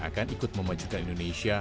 akan ikut memajukan indonesia